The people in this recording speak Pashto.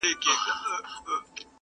چي پاچا وي څوک په غېږ کي ګرځولی-